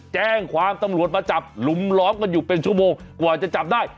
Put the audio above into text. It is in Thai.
แจ้งความตำรวจมาจับลุมล้อมกันอยู่เป็นชั่วโมงกว่าจะจับได้